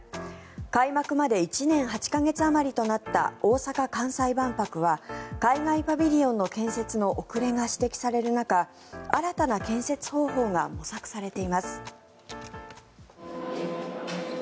開幕まで１年８か月あまりとなった大阪・関西万博は海外パビリオンの建設の遅れが指摘される中新たな建設方法が模索されています。